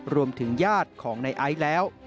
รวมถึงญาติของในไอซ์แล้ว